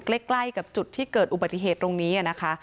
ใกล้กับจุดที่เกิดอุบัติเหตุตรงนี้นะคะ